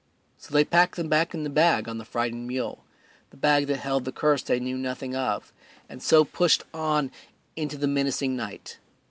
So they packed them back in the bag on the frightened mule, the bag that held the curse they knew nothing of, and so pushed on into the menacing night.